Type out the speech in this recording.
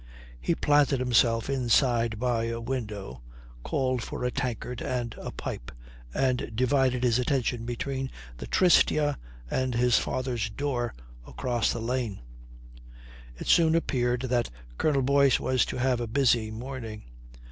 He planted himself inside by a window, called for a tankard and a pipe, and divided his attention between the Tristia and his father's door across the lane. It soon appeared that Colonel Boyce was to have a busy morning.